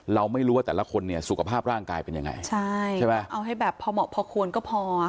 เราไม่รู้ว่าแต่ละคนเนี่ยสุขภาพร่างกายเป็นยังไงใช่ใช่ไหมเอาให้แบบพอเหมาะพอควรก็พอ